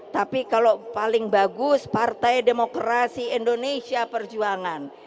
tapi kalau paling bagus partai demokrasi indonesia perjuangan